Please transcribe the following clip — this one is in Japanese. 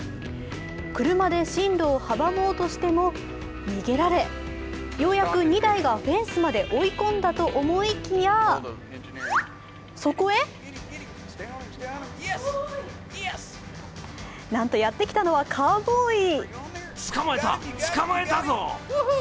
車で進路を阻もうとしても逃げられ、ようやく２台がフェンスまで追い込んだと思いきやそこへなんとやってきたのはカウボーイ。